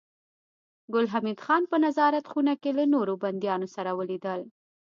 ګل حمید خان په نظارت خونه کې له نورو بنديانو سره ولیدل